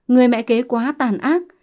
người mẹ kế quá tàn ác